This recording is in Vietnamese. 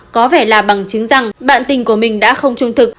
có vẻ là bằng chứng rằng bạn tình của mình đã không trung thực